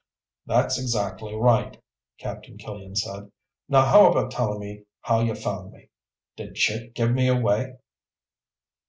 "That's exactly right," Captain Killian said. "Now how about telling me how you found me? Did Chick give me away?"